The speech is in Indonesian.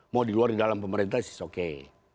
mau di luar di dalam pemerintah it's okay